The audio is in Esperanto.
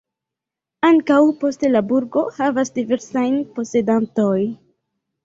Ankaŭ poste la burgo havas diversajn posedantoj.